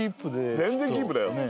全然キープだよ。